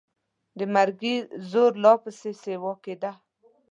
د مرګي زور لا پسې سیوا کېده.